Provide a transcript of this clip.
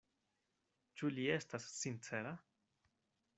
Ĉu li estas sincera?